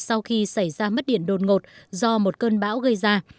sau khi xảy ra mất điện đột ngột do một cơn bão gây ra